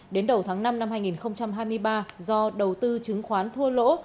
đến đầu tháng năm năm hai nghìn hai mươi ba do đầu tư chứng khoán thua lỗ